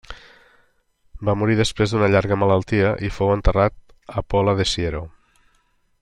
Va morir després d'una llarga malaltia i fou enterrat a Pola de Siero.